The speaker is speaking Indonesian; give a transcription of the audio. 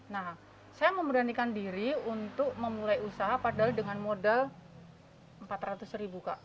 nah saya memberanikan diri untuk memulai usaha padahal dengan modal empat ratus ribu kak